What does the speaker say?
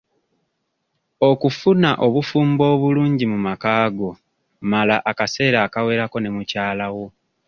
Okufuna obufumbo obulungi mu makaago mala akaseera akawerako ne mukyalawo.